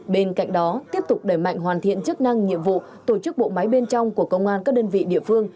bên cạnh đó tiếp tục đẩy mạnh hoàn thiện chức năng nhiệm vụ tổ chức bộ máy bên trong của công an các đơn vị địa phương